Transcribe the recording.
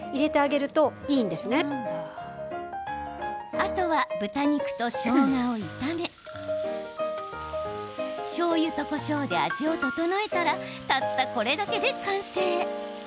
あとは豚肉としょうがを炒めしょうゆとこしょうで味を調えたらたったこれだけで完成。